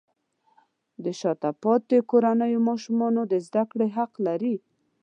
د شاته پاتې کورنیو ماشومان د زده کړې حق لري.